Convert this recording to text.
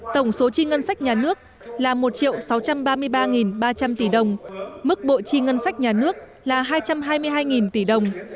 tổng số chi ngân sách nhà nước là một sáu trăm ba mươi ba ba trăm linh tỷ đồng mức bộ chi ngân sách nhà nước là hai trăm hai mươi hai tỷ đồng